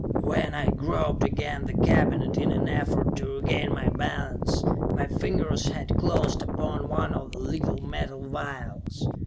When I had groped against the cabinet in an effort to regain my balance, my fingers had closed upon one of the little metal vials.